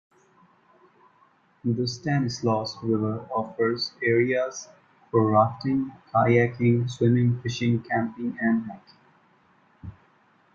The Stanislaus River offers areas for rafting, kayaking, swimming, fishing, camping and hiking.